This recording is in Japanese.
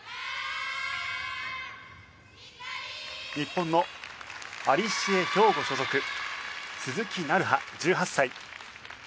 日本のアリシエ兵庫所属鈴木菜巴１８歳。